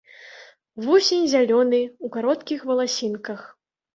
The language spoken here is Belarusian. Вусень зялёны, у кароткіх валасінках.